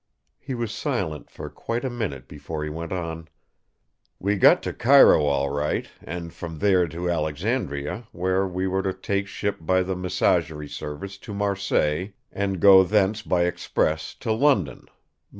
He was silent for quite a minute before he went on: "We got to Cairo all right, and from there to Alexandria, where we were to take ship by the Messagerie service to Marseilles, and go thence by express to London.